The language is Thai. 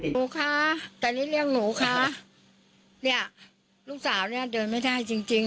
หนูคะตอนนี้เรียกหนูคะเนี่ยลูกสาวเนี่ยเดินไม่ได้จริงจริง